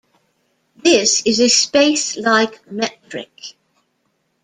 This is a space-like metric.